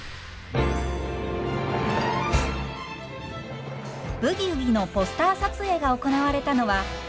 「ブギウギ」のポスター撮影が行われたのはレトロな長屋。